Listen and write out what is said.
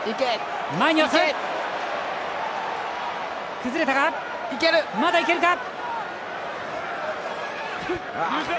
崩れたが、まだいけるか。